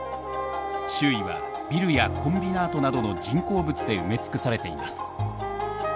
周囲はビルやコンビナートなどの人工物で埋め尽くされています。